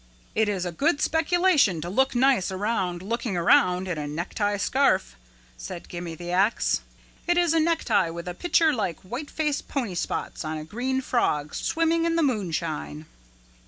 "It is a good speculation to look nice around looking around in a necktie scarf," said Gimme the Ax. "It is a necktie with a picture like whiteface pony spots on a green frog swimming in the moonshine."